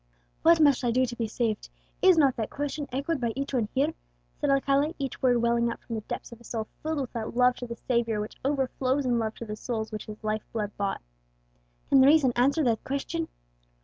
"What must I do to be saved? is not that question echoed by each one here?" said Alcala, every word welling up from the depths of a soul filled with that love to the Saviour which overflows in love to the souls which His life blood bought. "Can reason answer that question?"